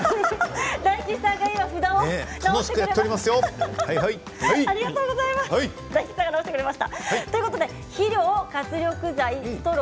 大吉さんが札を直してくれました。